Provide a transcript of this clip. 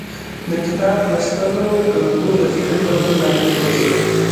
د کتاب لوستلو کلتور د فکري بدلون لامل ګرځي.